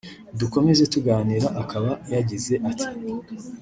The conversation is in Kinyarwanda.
Dukomeza tuganira akaba yagize ati